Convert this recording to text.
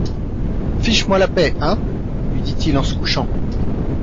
Fiche-moi la paix, hein ! lui dit-il en se couchant